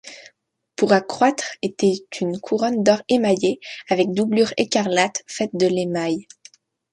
Pour accroître était une couronne d'or émaillé avec doublure écarlate faite de l'émail.